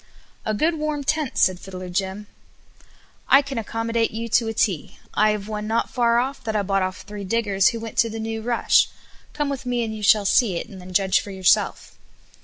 "A good, warm tent," said Fiddler Tim. "I can accommodate you to a T. I have one not far off that I bought off three diggers who went to the new rush. Come with me and you shall see it, and then judge for yourself."